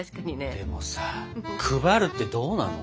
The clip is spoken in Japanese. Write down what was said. でもさ配るってどうなの？